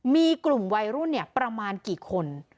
มีกลุ่มวัยรุ่นประมาณกี่คน